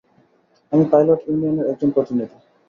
আমি পাইলট ইউনিয়নের একজন প্রতিনিধি।